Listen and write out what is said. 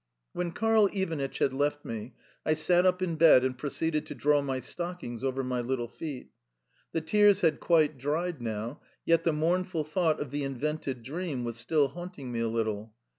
When Karl Ivanitch had left me, I sat up in bed and proceeded to draw my stockings over my little feet. The tears had quite dried now, yet the mournful thought of the invented dream was still haunting me a little.